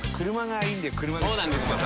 そうなんですよ。